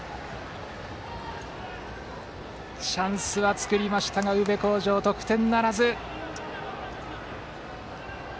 チャンスは作りましたが宇部鴻城、得点ならず。